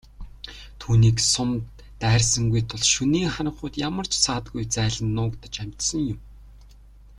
Түүнийг сум дайрсангүй тул шөнийн харанхуйд ямар ч саадгүй зайлан нуугдаж амжсан юм.